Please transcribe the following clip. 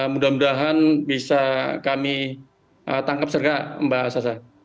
mudah mudahan bisa kami tangkap serga mbak sasa